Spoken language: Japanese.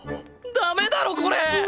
ダメだろこれ！